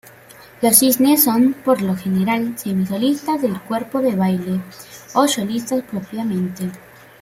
Los cisnes son, por lo general, semi-solistas del "cuerpo de baile" o solistas propiamente.